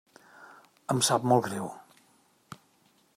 Em sap molt greu.